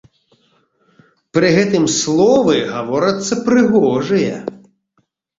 Пры гэтым словы гаворацца прыгожыя.